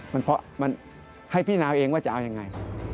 มันให้พี่น้าวเองว่าจะเอาอย่างไร